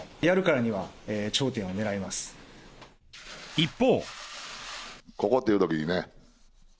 一方。